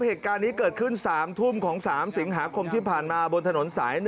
เหตุการณ์นี้เกิดขึ้น๓ทุ่มของ๓สิงหาคมที่ผ่านมาบนถนนสาย๑